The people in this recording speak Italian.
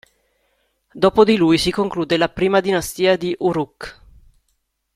Dopo di lui si conclude la I dinastia di Uruk.